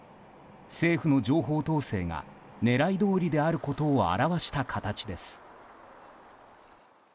政府の情報統制が狙いどおりであることを表した形です。